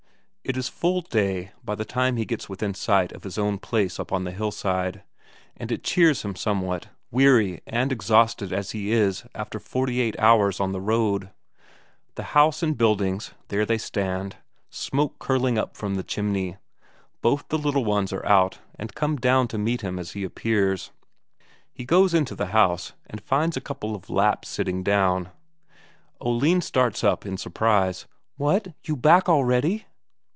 It is full day by the time he gets within sight of his own place up on the hillside, and it cheers him somewhat, weary and exhausted as he is after forty eight hours on the road. The house and buildings, there they stand, smoke curling up from the chimney; both the little ones are out, and come down to meet him as he appears. He goes into the house, and finds a couple of Lapps sitting down. Oline starts up in surprise: "What, you back already!"